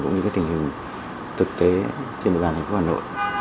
cũng như các tình hình của thành phố